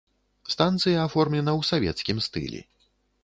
Станцыя аформлена ў савецкім стылі.